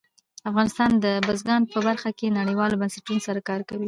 افغانستان د بزګان په برخه کې نړیوالو بنسټونو سره کار کوي.